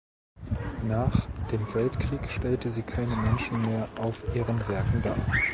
Nach dem Weltkrieg stellte sie keine Menschen mehr auf ihren Werken dar.